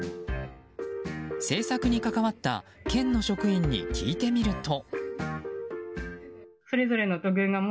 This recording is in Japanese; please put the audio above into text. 制作に関わった県の職員に聞いてみると。